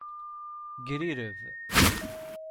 Grireb.